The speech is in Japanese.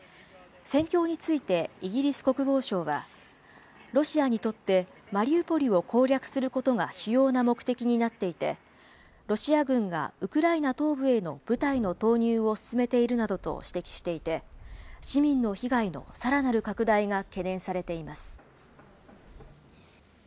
戦況についてイギリス国防省は、ロシアにとってマリウポリを攻略することが主要な目的になっていて、ロシア軍がウクライナ東部への部隊の投入を進めているなどと指摘していて、市民の被害のさらなる拡大が懸念されています。